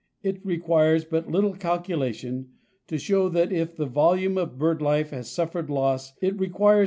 It requires but little calculation to show that if the volume of bird life has suffered a loss of 46 per cent.